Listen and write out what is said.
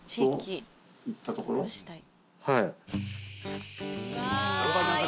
はい。